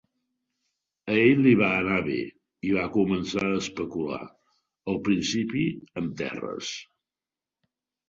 A ell li va anar bé i va començar a especular, al principi amb terres.